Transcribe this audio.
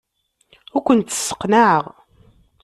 Ur kent-sseqnaɛeɣ.